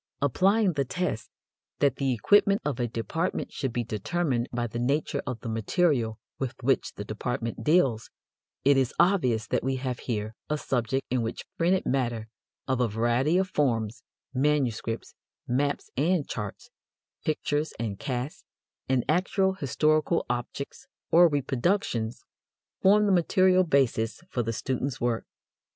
Applying the test that the equipment of a department should be determined by the nature of the material with which the department deals, it is obvious that we have here a subject in which printed matter of a variety of forms, manuscripts, maps and charts, pictures and casts, and actual historical objects or reproductions, form the material basis for the student's work.